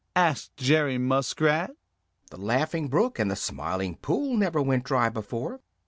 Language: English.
asked Jerry Muskrat. "The Laughing Brook and the Smiling Pool never went dry before."